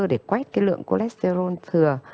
để quét cái lượng cholesterol thừa